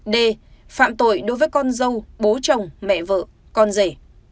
d phạm tội đối với con dâu bố chồng mẹ vợ con rể